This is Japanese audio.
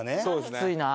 きついな。